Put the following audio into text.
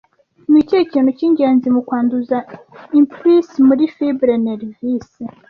Ni ikihe kintu cyingenzi mu kwanduza impuls muri fibre nervice